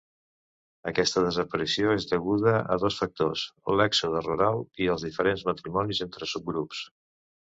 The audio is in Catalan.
Aquesta desaparició és deguda a dos factors, l'èxode rural i els diferents matrimonis entra subgrups.